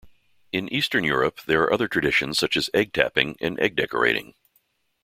In eastern Europe, there are other traditions such as egg tapping and egg decorating.